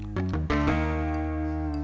ya ampun ya ampun